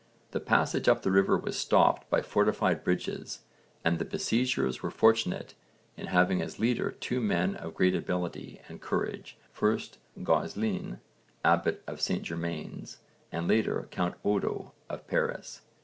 The passage up the river was stopped by fortified bridges and the besiegers were fortunate in having as leaders two men of great ability and courage, first Gauzlin, Abbot of St Germain's, and, later, Count Odo of Paris.